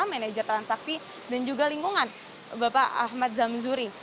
manajer transaksi dan juga lingkungan bapak ahmad zamzuri